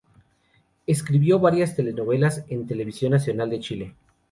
Escribió varias telenovelas en Televisión Nacional de Chile.